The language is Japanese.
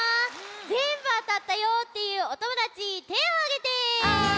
ぜんぶあたったよっていうおともだちてをあげて。